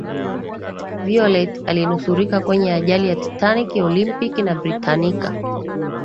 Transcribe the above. violet alinusurika kwenye ajali ya titanic olympic na britanica